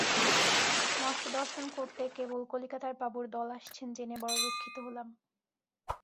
মঠ দর্শন করতে কেবল কলিকাতার বাবুর দল আসছেন জেনে বড় দুঃখিত হলাম।